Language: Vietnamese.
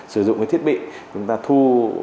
sử dụng cái thiết bị chúng ta thu